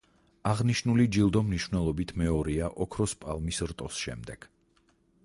აღნიშნული ჯილდო მნიშვნელობით მეორეა ოქროს პალმის რტოს შემდეგ.